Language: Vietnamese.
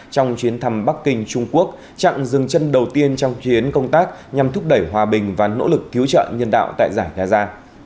trong chiến thăm bắc kinh trung quốc chặn dừng chân đầu tiên trong chiến công tác nhằm thúc đẩy hòa bình và nỗ lực cứu trợ nhân đạo tại giải ga gia